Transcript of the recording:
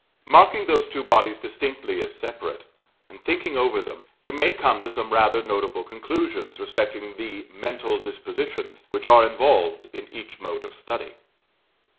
Marking those two bodies distinctly as separate, and thinking over them, you may come to some rather notable conclusions respecting the mental dispositions which are involved in each mode of study.